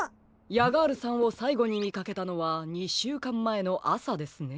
ヤガールさんをさいごにみかけたのは２しゅうかんまえのあさですね？